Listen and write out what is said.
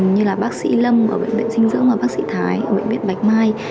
như là bác sĩ lâm ở bệnh viện sinh dưỡng và bác sĩ thái ở bệnh viện bạch mai